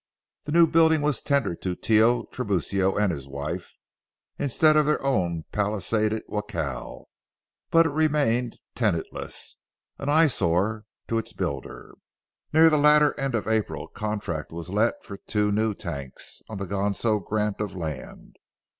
The new building was tendered to Tio Tiburcio and his wife, instead of their own palisaded jacal, but it remained tenantless—an eyesore to its builder. Near the latter end of April, a contract was let for two new tanks on the Ganso grant of land.